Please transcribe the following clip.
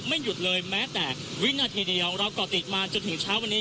หยุดเลยแม้แต่วินาทีเดียวเราก่อติดมาจนถึงเช้าวันนี้